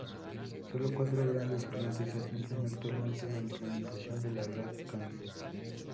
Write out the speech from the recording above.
Sólo cuatro grandes clientes admiten actualmente la implementación de la red Kad.